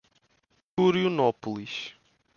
Curionópolis